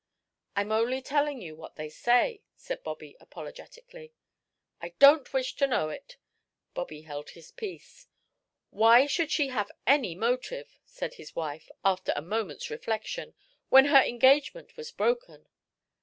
"I'm only telling you what they say," said Bobby, apologetically. "I don't wish to know it." Bobby held his peace. "Why should she have any motive?" said his wife, after a moment's reflection "when her engagement was broken?"